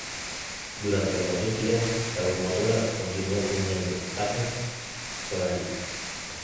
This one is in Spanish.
Durante la ocupación chilena, la locomotora continuó uniendo Tacna con Arica.